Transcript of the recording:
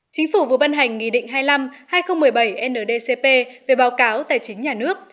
chính phủ vừa ban hành nghị định hai mươi năm hai nghìn một mươi bảy ndcp về báo cáo tài chính nhà nước